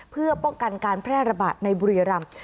เพื่อป้องกันการแพร่ระบาดในบุรีรำ